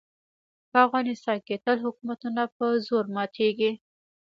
په افغانستان کې تل حکومتونه په زور ماتېږي.